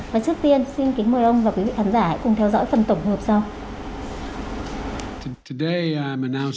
và trước tiên xin kính mời ông và quý vị khán giả hãy cùng theo dõi phần tổng hợp sau